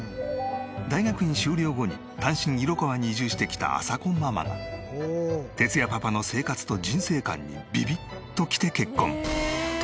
大学院修了後に単身色川に移住してきたあさこママはてつやパパの生活と人生観にビビッときて結婚！